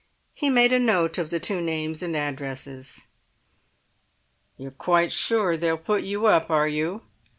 He made a note of the two names and addresses. "You're quite sure they'll put you up, are you?"